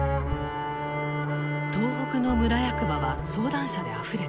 東北の村役場は相談者であふれた。